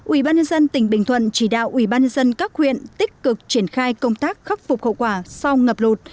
ubnd tỉnh bình thuận chỉ đạo ubnd các huyện tích cực triển khai công tác khắc phục khẩu quả sau ngập lụt